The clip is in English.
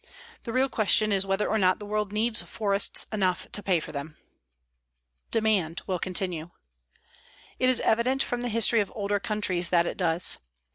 The real question is whether or not the world needs forests enough to pay for them. DEMAND WILL CONTINUE It is evident, from the history of older countries, that it does.